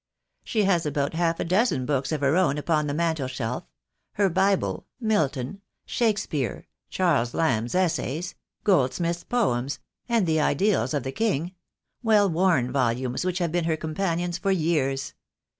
She has about half a dozen books of her own upon the mantelshelf, her Bible, Milton, Shak speare, Charles Lamb's Essays, Goldsmith's Poems, and the "Idyls of the King" — well worn volumes, which have been her companions for years.